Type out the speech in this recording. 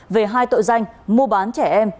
về hai tội danh mua bán trẻ em